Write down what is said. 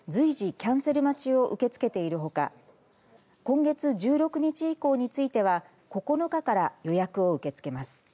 キャンセル待ちを受け付けているほか今月１６日以降については９日から予約を受け付けます。